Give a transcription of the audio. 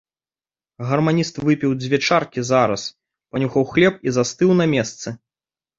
Гарманіст выпіў дзве чаркі зараз, панюхаў хлеб і застыў на месцы.